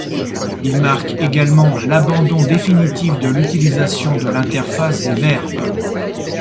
Il marque également l'abandon définitif de l'utilisation de l'interface des verbes.